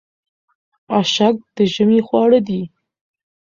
اشک د ژمي خواړه دي.